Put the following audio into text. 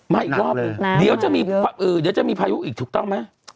อีกรอบนึงเดี๋ยวจะมีพายุอีกถูกต้องไหม